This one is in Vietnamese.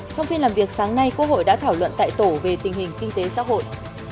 trong phiên làm việc sáng nay quốc hội đã thảo luận tại tổ về tình hình kinh tế xã hội